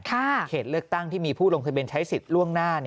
เขตเลือกตั้งที่มีผู้โรงพยาบาลใช้สิทธิ์ล่วงหน้า๒๔๕๙๖คน